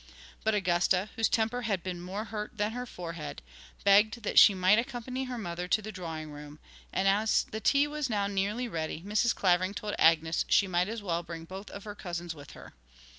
But Augusta, whose temper had been more hurt than her forehead, begged that she might accompany her mother to the drawing room; and as the tea was now nearly ready, Mrs. Clavering told Agnes she might as well bring both of her cousins with her.